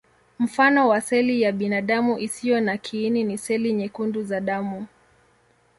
Mfano wa seli ya binadamu isiyo na kiini ni seli nyekundu za damu.